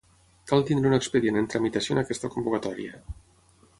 Cal tenir un expedient en tramitació en aquesta convocatòria.